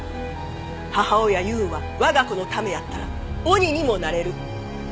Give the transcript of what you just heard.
母親いうんは我が子のためやったら鬼にもなれる。